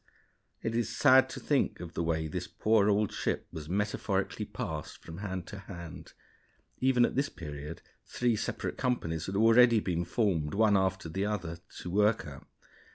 It is sad to think of the way this poor old ship was metaphorically passed from hand to hand. Even at this period three separate companies had already been formed one after another to work her.